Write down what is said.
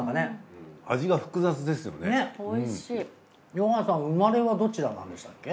ヨンアさん生まれはどちらなんでしたっけ？